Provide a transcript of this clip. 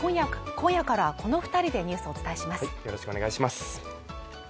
今夜からこの２人でニュースをお伝えします。